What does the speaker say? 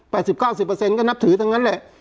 สิบเก้าสิบเปอร์เซ็นก็นับถือทั้งนั้นแหละ